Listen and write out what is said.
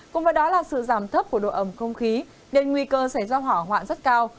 cùng với đó là sự giảm thấp của độ ẩm không khí nên nguy cơ xảy ra hỏa hoạn rất cao